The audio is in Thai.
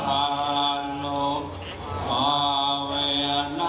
ชันตุสัพพระโยชน์